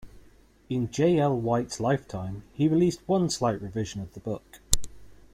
In J. L. White's lifetime, he released one slight revision of the book.